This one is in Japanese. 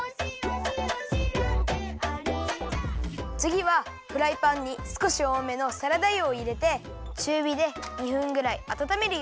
つぎはフライパンにすこしおおめのサラダ油をいれてちゅうびで２分ぐらいあたためるよ。